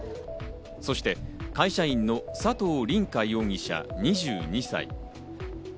そして会社員の佐藤凜果容疑者２２歳。